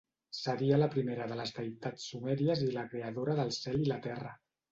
Seria la primera de les deïtats sumèries i la creadora del cel i la Terra.